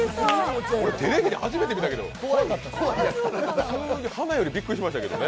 俺、テレビで初めて見たけど。